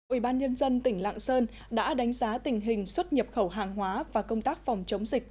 ủy ban nhân dân tỉnh lạng sơn đã đánh giá tình hình xuất nhập khẩu hàng hóa và công tác phòng chống dịch